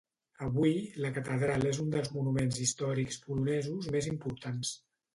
Avui, la catedral és un dels monuments històrics polonesos més importants.